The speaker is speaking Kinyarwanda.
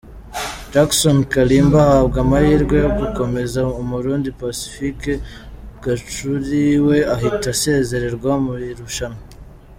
Jackson Kalimba ahabwa amahirwe yo gukomeza, umurundi Pacifique Gachuri we ahita asezererwa mu irushanwa.